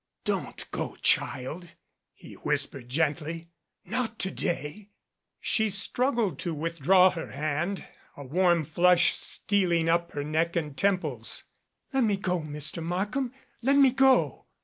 "Don't go, child," he whispered gently. "Not to day." She struggled to withdraw her hand, a warm flush stealing up her neck and temples. "Let me go, Mr. Markham. Let me go."